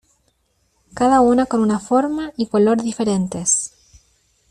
cada una con una forma y color diferentes.